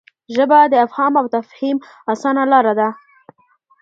ژبه د افهام او تفهیم اسانه لار ده.